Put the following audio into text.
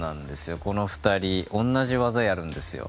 この２人同じ技をやるんですよ。